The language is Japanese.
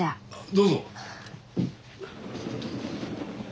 どうぞ。